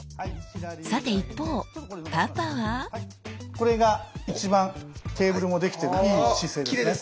さて一方パパはこれが一番テーブルもできてるいい姿勢です。